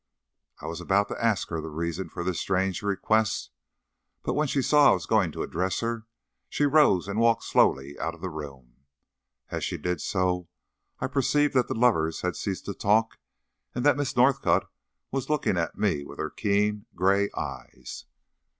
I was about to ask her the reason for this strange request, but when she saw I was going to address her, she rose and walked slowly out of the room. As she did so I perceived that the lovers had ceased to talk and that Miss Northcott was looking at me with her keen, grey eyes.